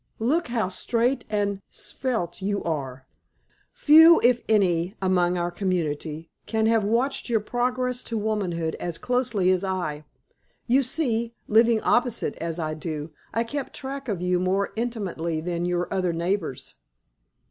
Look how straight and svelte you are! Few, if any, among our community can have watched your progress to womanhood as closely as I. You see, living opposite, as I do, I kept track of you more intimately than your other neighbors."